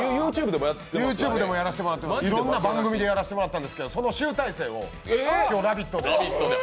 ＹｏｕＴｕｂｅでもやらせてもらって、いろんな番組でやらせてもらったんですけど、その集大成を今日、「ラヴィット！」で。